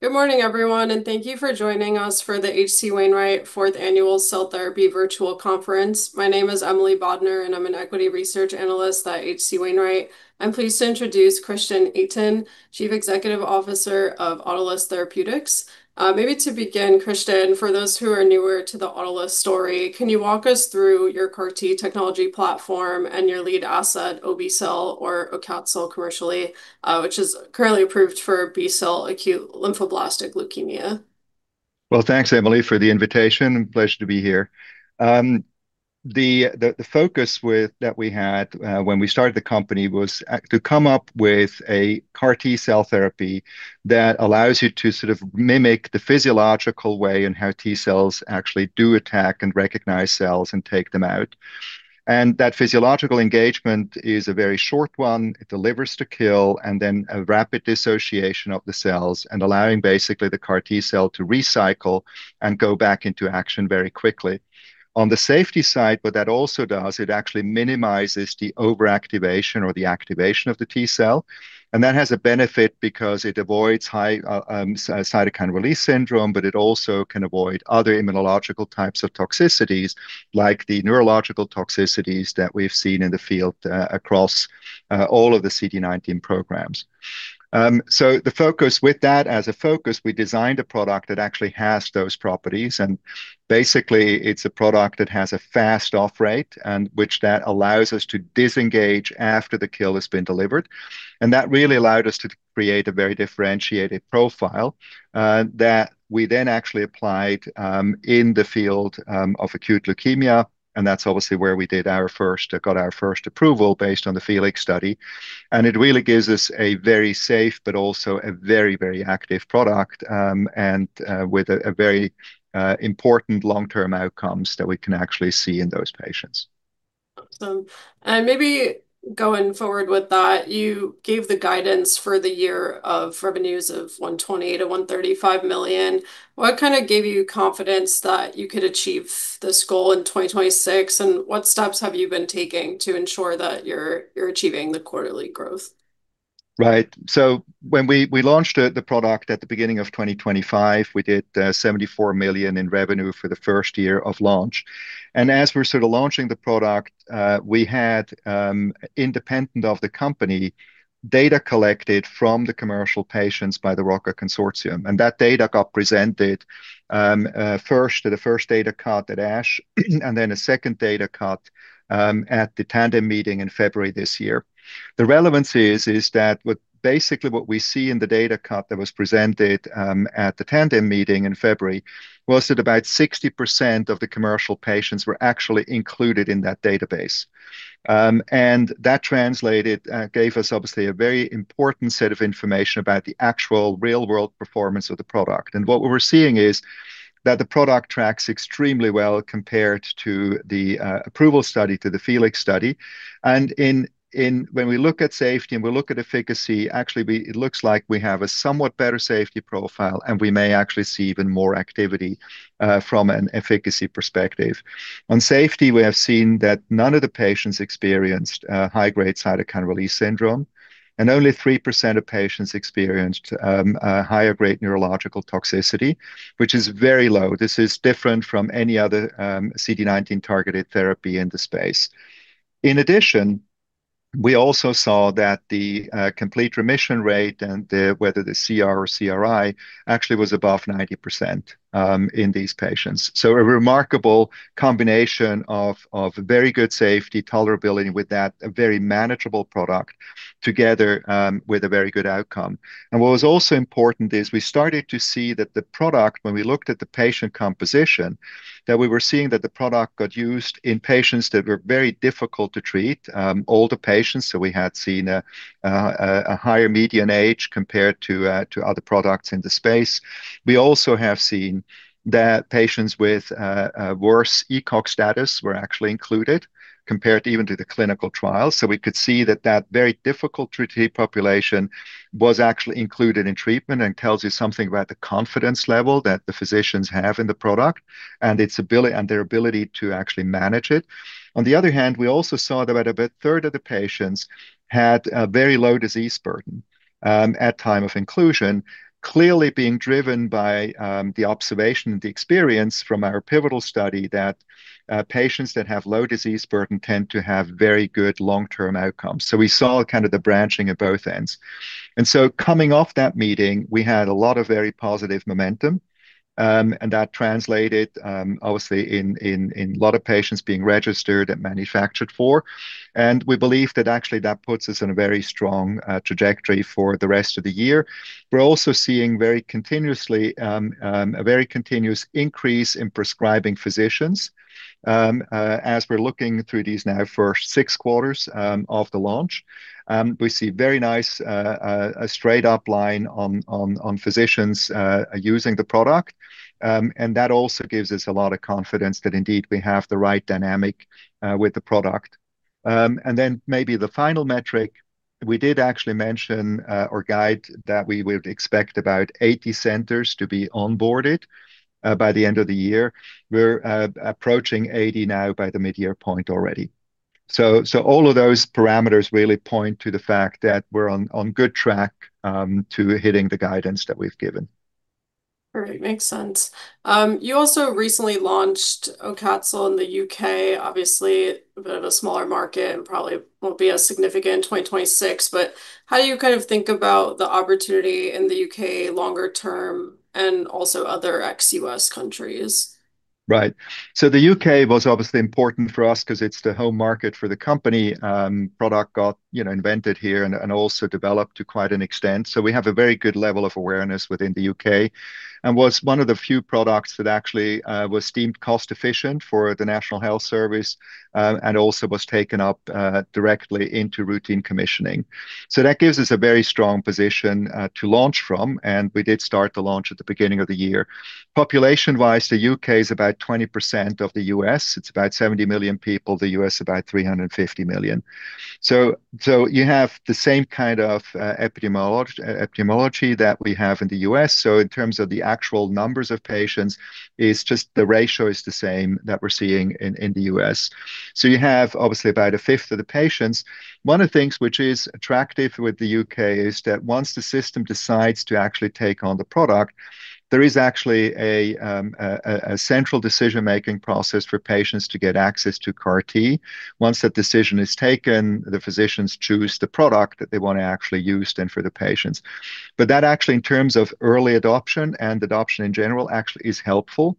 Good morning, everyone, and thank you for joining us for the H.C. Wainwright 4th Annual Cell Therapy Virtual Conference. My name is Emily Bodnar, and I'm an Equity Research Analyst at H.C. Wainwright. I'm pleased to introduce Christian Itin, Chief Executive Officer of Autolus Therapeutics. Maybe to begin, Christian, for those who are newer to the Autolus story, can you walk us through your CAR T technology platform and your lead asset, obe-cel or AUCATZYL commercially, which is currently approved for B-cell acute lymphoblastic leukemia? Well, thanks, Emily, for the invitation. Pleasure to be here. The focus that we had when we started the company was to come up with a CAR T-cell therapy that allows you to mimic the physiological way in how T-cells actually do attack and recognize cells and take them out. That physiological engagement is a very short one. It delivers to kill, then a rapid dissociation of the cells, allowing basically the CAR T-cell to recycle and go back into action very quickly. On the safety side, what that also does, it actually minimizes the overactivation or the activation of the T-cell. That has a benefit because it avoids cytokine release syndrome, it also can avoid other immunological types of toxicities, like the neurological toxicities that we've seen in the field, across all of the CD19 programs. The focus with that, as a focus, we designed a product that actually has those properties, basically, it's a product that has a fast off rate which that allows us to disengage after the kill has been delivered. That really allowed us to create a very differentiated profile that we then actually applied in the field of acute leukemia. That's obviously where we got our first approval based on the FELIX study. It really gives us a very safe but also a very active product, with a very important long-term outcomes that we can actually see in those patients. Awesome. Maybe going forward with that, you gave the guidance for the year of revenues of $120 million-$135 million. What gave you confidence that you could achieve this goal in 2026, what steps have you been taking to ensure that you're achieving the quarterly growth? When we launched the product at the beginning of 2025, we did $74 million in revenue for the first year of launch. As we're launching the product, we had, independent of the company, data collected from the commercial patients by the ROCCA consortium, and that data got presented first at the first data cut at ASH, then a second data cut at the Tandem Meetings in February this year. The relevance is that basically what we see in the data cut that was presented at the Tandem Meetings in February was that about 60% of the commercial patients were actually included in that database. That translated, gave us obviously a very important set of information about the actual real-world performance of the product. What we're seeing is that the product tracks extremely well compared to the approval study, to the FELIX study. When we look at safety and we look at efficacy, actually, it looks like we have a somewhat better safety profile, and we may actually see even more activity from an efficacy perspective. On safety, we have seen that none of the patients experienced high-grade cytokine release syndrome, and only 3% of patients experienced a higher-grade neurological toxicity, which is very low. This is different from any other CD19-targeted therapy in the space. In addition, we also saw that the complete remission rate and whether the CR or CRI actually was above 90% in these patients. A remarkable combination of very good safety tolerability with that, a very manageable product together with a very good outcome. What was also important is we started to see that the product, when we looked at the patient composition, that we were seeing that the product got used in patients that were very difficult to treat, older patients, so we had seen a higher median age compared to other products in the space. We also have seen that patients with worse ECOG status were actually included compared to even to the clinical trial. We could see that that very difficult-to-treat population was actually included in treatment and tells you something about the confidence level that the physicians have in the product and their ability to actually manage it. On the other hand, we also saw that about 1/3 of the patients had a very low disease burden at time of inclusion, clearly being driven by the observation and the experience from our pivotal study that patients that have low disease burden tend to have very good long-term outcomes. We saw the branching at both ends. Coming off that meeting, we had a lot of very positive momentum, and that translated obviously in a lot of patients being registered and manufactured for. We believe that actually that puts us in a very strong trajectory for the rest of the year. We're also seeing a very continuous increase in prescribing physicians. As we're looking through these now for six quarters of the launch, we see very nice straight up line on physicians using the product. That also gives us a lot of confidence that indeed we have the right dynamic with the product. Maybe the final metric we did actually mention, or guide that we would expect about 80 centers to be onboarded by the end of the year. We're approaching 80 now by the mid-year point already. All of those parameters really point to the fact that we're on good track to hitting the guidance that we've given. Perfect. Makes sense. You also recently launched AUCATZYL in the U.K., obviously a bit of a smaller market, and probably won't be as significant in 2026, but how do you think about the opportunity in the U.K. longer term and also other ex-U.S. countries? Right. The U.K. was obviously important for us because it's the home market for the company. Product got invented here and also developed to quite an extent. That gives us a very good level of awareness within the U.K., and was one of the few products that actually was deemed cost-efficient for the National Health Service, and also was taken up directly into routine commissioning. That gives us a very strong position to launch from, and we did start the launch at the beginning of the year. Population-wise, the U.K. is about 20% of the U.S. It's about 70 million people, the U.S. about 350 million. You have the same kind of epidemiology that we have in the U.S. In terms of the actual numbers of patients, it's just the ratio is the same that we're seeing in the U.S. You have obviously about 1/5 of the patients. One of the things which is attractive with the U.K. is that once the system decides to actually take on the product, there is actually a central decision-making process for patients to get access to CAR T. Once that decision is taken, the physicians choose the product that they want to actually use then for the patients. That actually, in terms of early adoption and adoption in general, actually is helpful.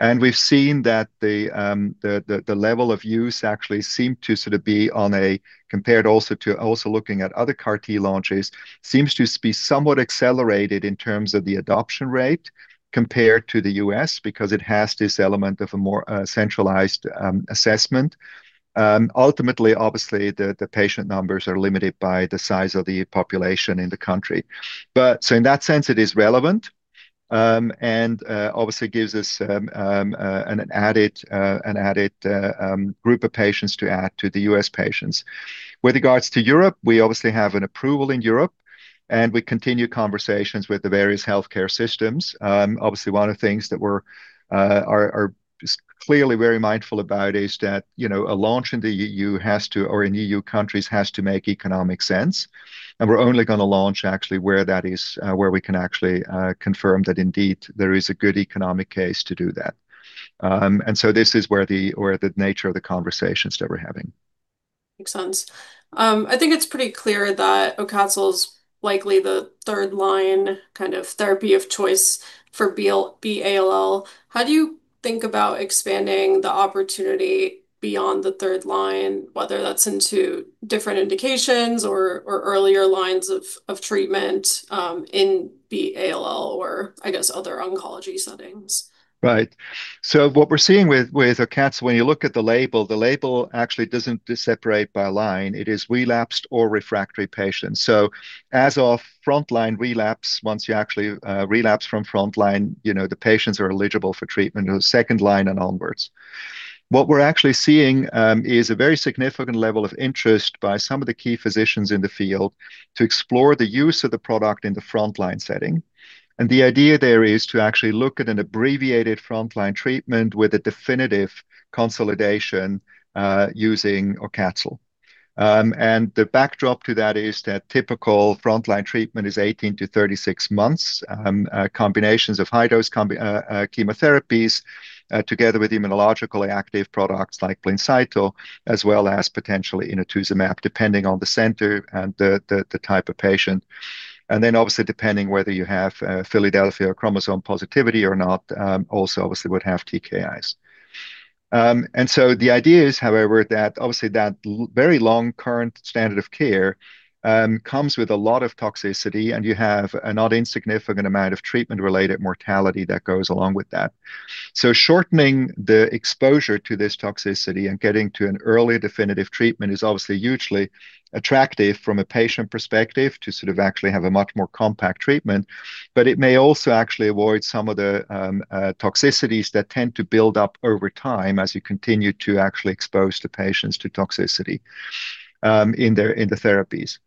We've seen that the level of use actually seemed to sort of be on a, compared also to also looking at other CAR T launches, seems to be somewhat accelerated in terms of the adoption rate compared to the U.S. because it has this element of a more centralized assessment. Ultimately, obviously, the patient numbers are limited by the size of the population in the country. In that sense, it is relevant, and obviously gives us an added group of patients to add to the U.S. patients. With regards to Europe, we obviously have an approval in Europe, and we continue conversations with the various healthcare systems. Obviously, one of the things that we are clearly very mindful about is that a launch in the EU has to, or in EU countries, has to make economic sense. We are only going to launch actually where that is, where we can actually confirm that indeed there is a good economic case to do that. This is where the nature of the conversations that we are having. Makes sense. I think it is pretty clear that AUCATZYL likely the third-line kind of therapy of choice for B-ALL. How do you think about expanding the opportunity beyond the third line, whether that is into different indications or earlier lines of treatment in B-ALL or I guess other oncology settings? What we are seeing with AUCATZYL, when you look at the label, the label actually does not separate by line. It is relapsed or refractory patients. So as of frontline relapse, once you actually relapse from frontline, the patients are eligible for treatment who are second line and onwards. What we are actually seeing is a very significant level of interest by some of the key physicians in the field to explore the use of the product in the frontline setting. The idea there is to actually look at an abbreviated frontline treatment with a definitive consolidation using AUCATZYL. The backdrop to that is that typical frontline treatment is 18-36 months, combinations of high-dose chemotherapies together with immunological active products like Blincyto, as well as potentially inotuzumab, depending on the center and the type of patient. Obviously, depending whether you have Philadelphia chromosome positivity or not, also obviously would have TKIs. The idea is, however, that obviously that very long current standard of care comes with a lot of toxicity, and you have a not insignificant amount of treatment-related mortality that goes along with that. Shortening the exposure to this toxicity and getting to an early definitive treatment is obviously hugely attractive from a patient perspective to sort of actually have a much more compact treatment, but it may also actually avoid some of the toxicities that tend to build up over time as you continue to actually expose the patients to toxicity in the therapies.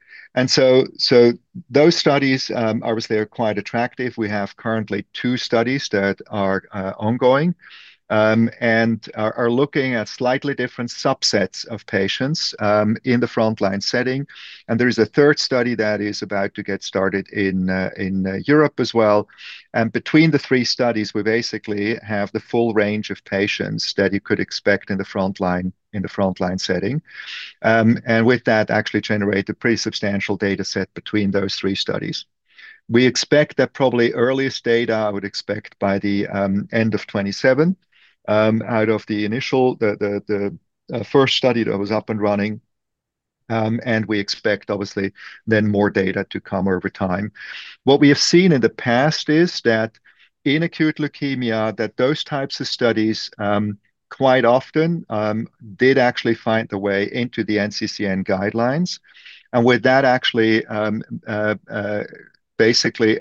Those studies obviously are quite attractive. We have currently two studies that are ongoing, are looking at slightly different subsets of patients in the frontline setting. There is a third study that is about to get started in Europe as well. Between the three studies, we basically have the full range of patients that you could expect in the frontline setting. With that, actually generate a pretty substantial data set between those three studies. We expect that probably earliest data, I would expect by the end of 2027, out of the initial, the first study that was up and running, and we expect obviously more data to come over time. What we have seen in the past is that in acute leukemia, those types of studies quite often did actually find their way into the NCCN guidelines. With that actually, basically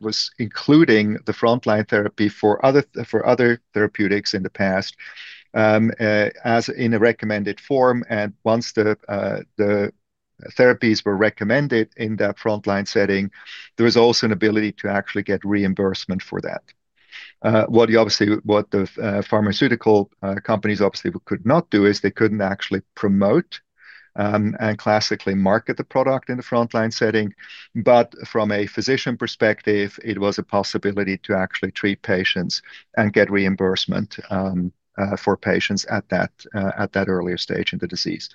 was including the frontline therapy for Autolus Therapeutics in the past, as in a recommended form. Once the therapies were recommended in that frontline setting, there is also an ability to actually get reimbursement for that. What the pharmaceutical companies obviously could not do is they couldn't actually promote, and classically market the product in the frontline setting. From a physician perspective, it was a possibility to actually treat patients and get reimbursement for patients at that earlier stage in the disease.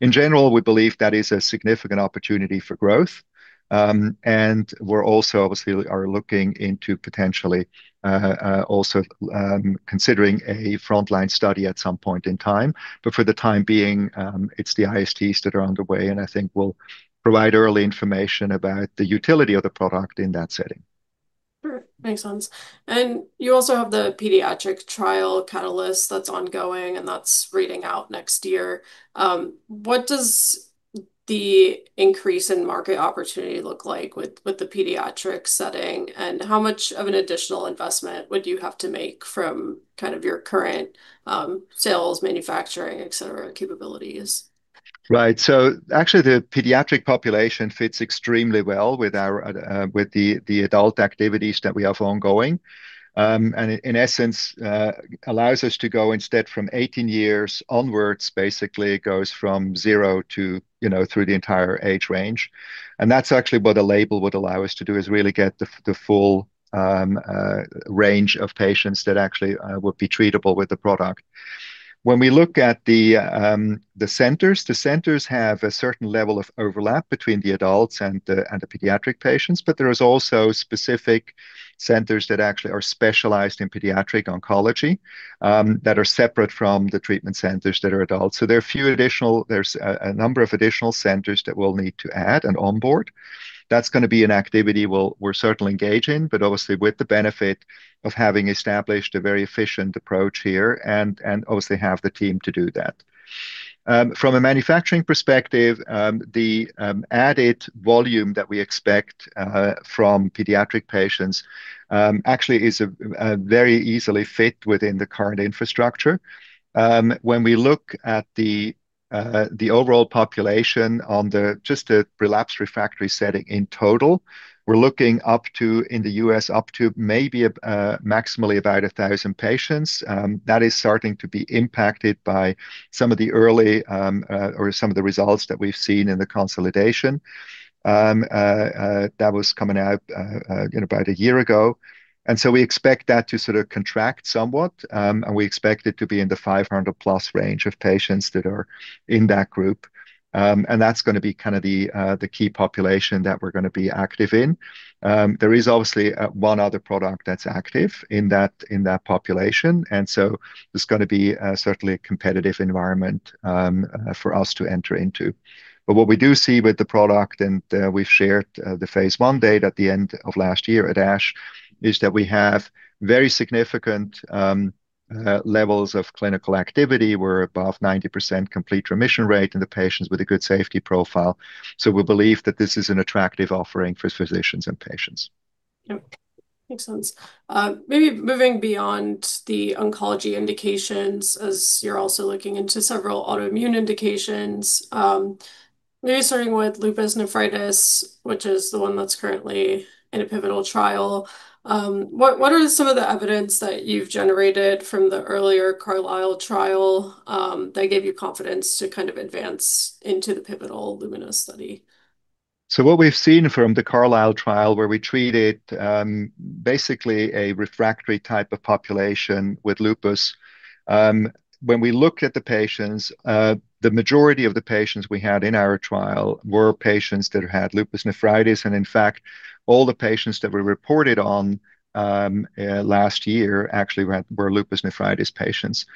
In general, we believe that is a significant opportunity for growth. We're also obviously are looking into potentially, also considering a frontline study at some point in time. For the time being, it's the ISTs that are underway, and I think will provide early information about the utility of the product in that setting. Perfect. Makes sense. You also have the pediatric trial CATULUS that's ongoing. That's reading out next year. What does the increase in market opportunity look like with the pediatric setting, and how much of an additional investment would you have to make from your current sales, manufacturing, etc, capabilities? Right. Actually, the pediatric population fits extremely well with the adult activities that we have ongoing. In essence, allows us to go instead from 18 years onwards, basically it goes from zero through the entire age range. That's actually what a label would allow us to do, is really get the full range of patients that actually would be treatable with the product. When we look at the centers, the centers have a certain level of overlap between the adults and the pediatric patients, but there is also specific centers that actually are specialized in pediatric oncology, that are separate from the treatment centers that are adults. There's a number of additional centers that we'll need to add and onboard. That's going to be an activity we're certainly engaged in, but obviously with the benefit of having established a very efficient approach here, and obviously have the team to do that. From a manufacturing perspective, the added volume that we expect from pediatric patients actually is very easily fit within the current infrastructure. When we look at the overall population on just the relapsed refractory setting in total, we're looking up to, in the U.S., up to maybe maximally about 1,000 patients. That is starting to be impacted by some of the early, or some of the results that we've seen in the consolidation that was coming out about a year ago. We expect that to sort of contract somewhat, and we expect it to be in the 500+ range of patients that are in that group. That's going to be the key population that we're going to be active in. There is obviously one other product that's active in that population, and so there's going to be certainly a competitive environment for us to enter into. What we do see with the product, and we've shared the phase I data at the end of last year at ASH, is that we have very significant levels of clinical activity. We're above 90% complete remission rate in the patients with a good safety profile. We believe that this is an attractive offering for physicians and patients. Yep. Makes sense. Maybe moving beyond the oncology indications as you're also looking into several autoimmune indications, maybe starting with lupus nephritis, which is the one that's currently in a pivotal trial. What are some of the evidence that you've generated from the earlier CARLYSLE trial, that gave you confidence to kind of advance into the pivotal LUMINA study? What we've seen from the CARLYSLE trial, where we treated basically a refractory type of population with lupus, when we look at the patients, the majority of the patients we had in our trial were patients that had lupus nephritis, and in fact, all the patients that we reported on last year actually were lupus nephritis patients.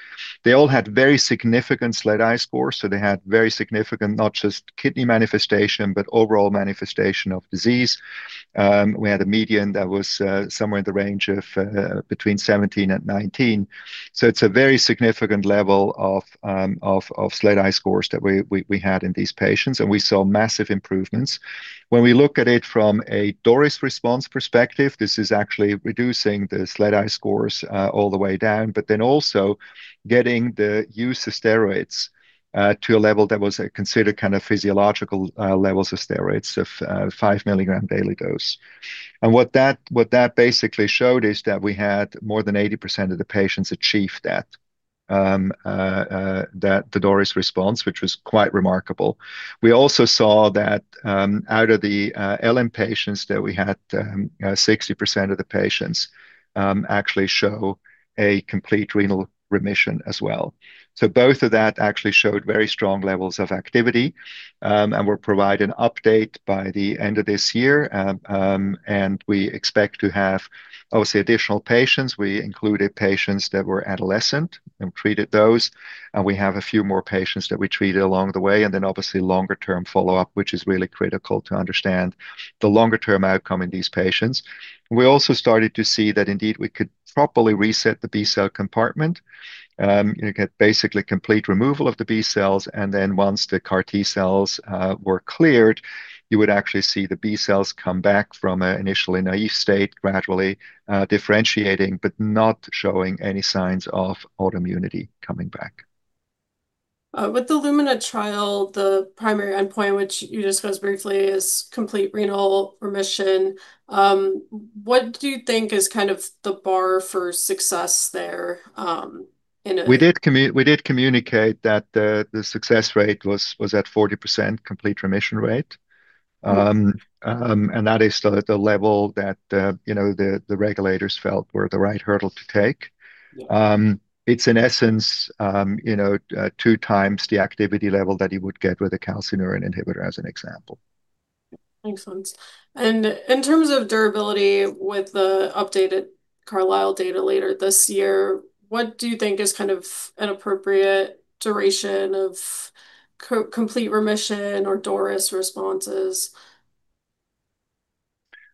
They all had very significant SLEDAI scores, so they had very significant, not just kidney manifestation, but overall manifestation of disease. We had a median that was somewhere in the range of between 17 and 19. It's a very significant level of SLEDAI scores that we had in these patients, and we saw massive improvements. When we look at it from a DORIS response perspective, this is actually reducing the SLEDAI scores all the way down, but then also getting the use of steroids to a level that was considered kind of physiological levels of steroids of five milligram daily dose. What that basically showed is that we had more than 80% of the patients achieve that, the DORIS response, which was quite remarkable. We also saw that out of the LN patients that we had, 60% of the patients actually show a complete renal remission as well. Both of that actually showed very strong levels of activity, and we'll provide an update by the end of this year, and we expect to have, obviously, additional patients. We included patients that were adolescent and treated those, and we have a few more patients that we treated along the way. Obviously longer term follow-up, which is really critical to understand the longer-term outcome in these patients. We also started to see that indeed we could properly reset the B-cell compartment, get basically complete removal of the B-cells, and then once the CAR T-cells were cleared You would actually see the B-cells come back from an initially naive state, gradually differentiating, but not showing any signs of autoimmunity coming back. With the LUMINA trial, the primary endpoint, which you discussed briefly, is complete renal remission. What do you think is the bar for success there? We did communicate that the success rate was at 40% complete remission rate. Yeah. That is still at the level that the regulators felt were the right hurdle to take. Yeah. It's, in essence, two times the activity level that you would get with a calcineurin inhibitor as an example. Makes sense. In terms of durability with the updated CARLYSLE data later this year, what do you think is an appropriate duration of complete remission or DORIS responses?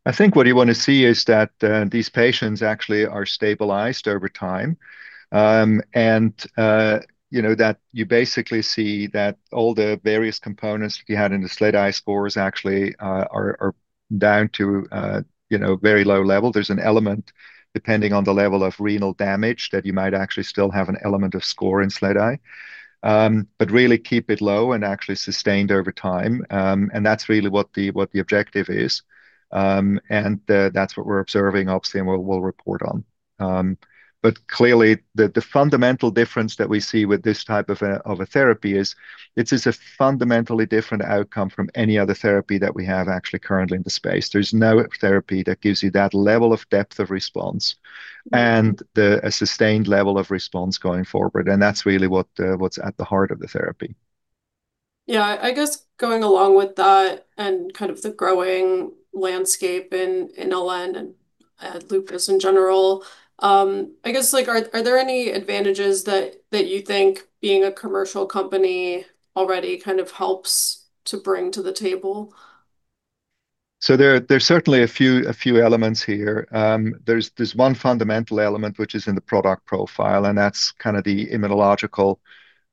I think what you want to see is that these patients actually are stabilized over time, and that you basically see that all the various components that you had in the SLEDAI scores actually are down to very low level. There's an element, depending on the level of renal damage, that you might actually still have an element of score in SLEDAI. Really keep it low and actually sustained over time, and that's really what the objective is. That's what we're observing, obviously, and what we'll report on. Clearly, the fundamental difference that we see with this type of a therapy is it is a fundamentally different outcome from any other therapy that we have actually currently in the space. There's no therapy that gives you that level of depth of response and a sustained level of response going forward, and that's really what's at the heart of the therapy. Yeah. I guess going along with that and the growing landscape in LN and lupus in general, I guess are there any advantages that you think being a commercial company already helps to bring to the table? There are certainly a few elements here. There's one fundamental element which is in the product profile, and that's the immunological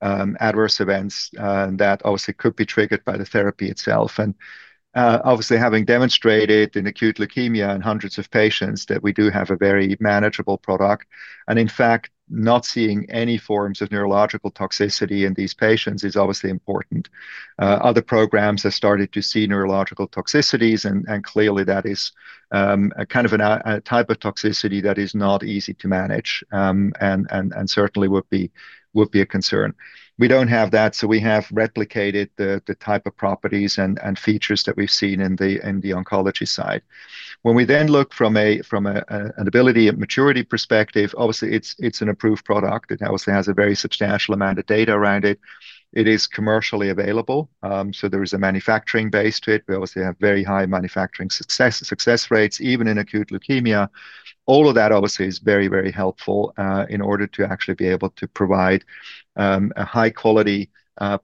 adverse events that obviously could be triggered by the therapy itself. Obviously, having demonstrated in acute leukemia in hundreds of patients that we do have a very manageable product and, in fact, not seeing any forms of neurological toxicity in these patients is obviously important. Other programs have started to see neurological toxicities, and clearly that is a type of toxicity that is not easy to manage and certainly would be a concern. We don't have that. We have replicated the type of properties and features that we've seen in the oncology side. When we look from an ability, a maturity perspective, obviously it's an approved product. It obviously has a very substantial amount of data around it. It is commercially available. There is a manufacturing base to it. We obviously have very high manufacturing success rates, even in acute leukemia. All of that obviously is very helpful in order to actually be able to provide a high-quality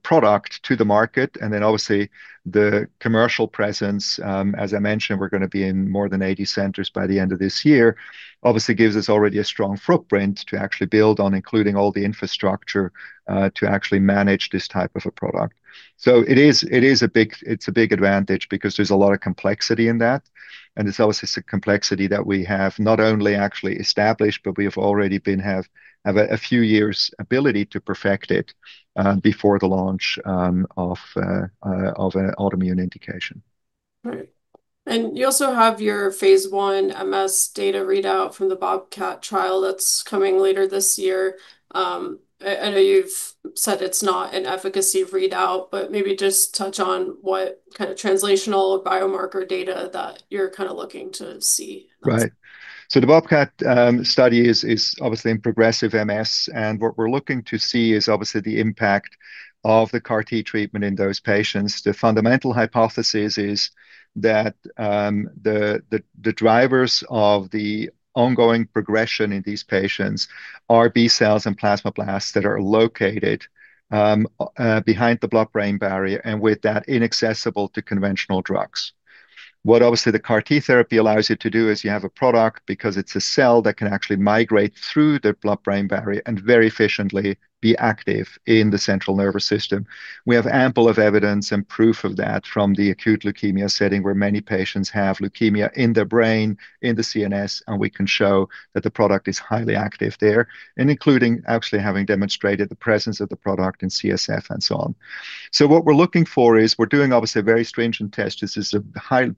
product to the market. Obviously the commercial presence, as I mentioned, we're going to be in more than 80 centers by the end of this year, obviously gives us already a strong footprint to actually build on, including all the infrastructure to actually manage this type of a product. It's a big advantage because there's a lot of complexity in that, and it's obviously a complexity that we have not only actually established, but we have already have a few years' ability to perfect it before the launch of an autoimmune indication. Right. You also have your phase I MS data readout from the BOBCAT trial that's coming later this year. I know you've said it's not an efficacy readout, but maybe just touch on what kind of translational biomarker data that you're looking to see. Right. The BOBCAT study is obviously in progressive MS, and what we're looking to see is obviously the impact of the CAR T treatment in those patients. The fundamental hypothesis is that the drivers of the ongoing progression in these patients are B-cells and plasmablasts that are located behind the blood-brain barrier and with that, inaccessible to conventional drugs. What obviously the CAR T therapy allows you to do is you have a product, because it's a cell that can actually migrate through the blood-brain barrier and very efficiently be active in the central nervous system. We have ample of evidence and proof of that from the acute leukemia setting, where many patients have leukemia in their brain, in the CNS, and we can show that the product is highly active there, including actually having demonstrated the presence of the product in CSF and so on. What we're looking for is we're doing obviously a very stringent test. This is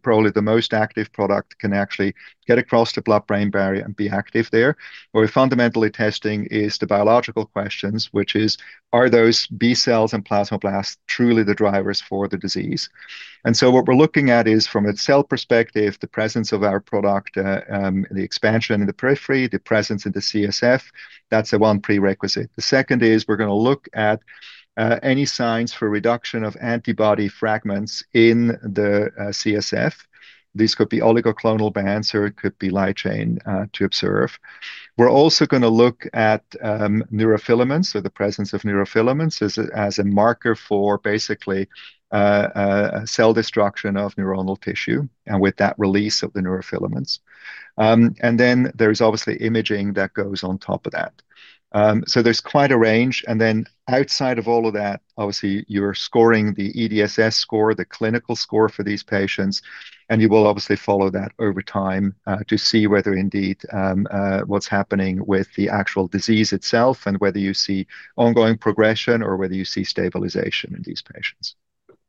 probably the most active product can actually get across the blood-brain barrier and be active there. What we're fundamentally testing is the biological questions, which is are those B-cells and plasmablasts truly the drivers for the disease? What we're looking at is, from a cell perspective, the presence of our product, the expansion in the periphery, the presence in the CSF. That's the one prerequisite. The second is we're going to look at any signs for reduction of antibody fragments in the CSF. These could be oligoclonal bands, or it could be light chain to observe. We're also going to look at neurofilaments, so the presence of neurofilaments, as a marker for basically cell destruction of neuronal tissue, and with that, release of the neurofilaments. There's obviously imaging that goes on top of that. There's quite a range. Outside of all of that, obviously you're scoring the EDSS score, the clinical score for these patients, and you will obviously follow that over time to see whether indeed what's happening with the actual disease itself and whether you see ongoing progression or whether you see stabilization in these patients.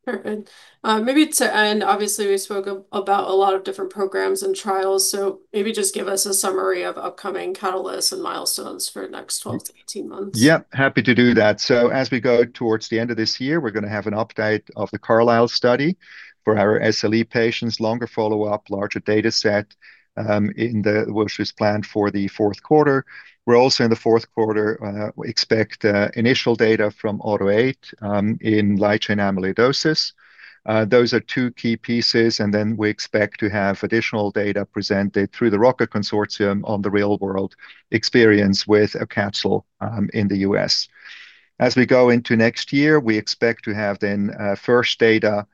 Perfect. Obviously we spoke about a lot of different programs and trials, so maybe just give us a summary of upcoming catalysts and milestones for the next 12-18 months. Yeah, happy to do that. As we go towards the end of this year, we're going to have an update of the CARLYSLE study for our SLE patients, longer follow-up, larger data set, which is planned for the fourth quarter. We're also in the fourth quarter, expect initial data from AUTO8 in light chain amyloidosis. Those are two key pieces, and then we expect to have additional data presented through the ROCCA consortium on the real-world experience with AUCATZYL in the U.S. As we go into next year, we expect to have then first data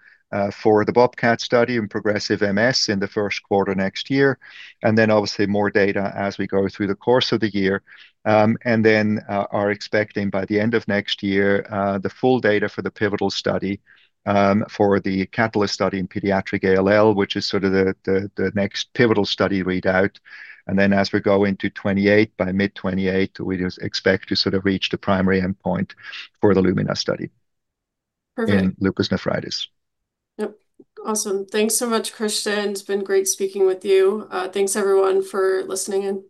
for the BOBCAT study in progressive MS in the first quarter next year, and then obviously more data as we go through the course of the year. We are expecting by the end of next year the full data for the pivotal study for the CATULUS study in pediatric ALL, which is sort of the next pivotal study readout. As we go into 2028, by mid 2028, we just expect to reach the primary endpoint for the LUMINA study- Perfect. ...in lupus nephritis. Yep. Awesome. Thanks so much, Christian. It's been great speaking with you. Thanks everyone for listening in.